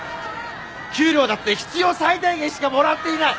給料だって必要最低限しかもらっていない。